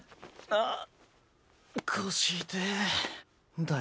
あっ。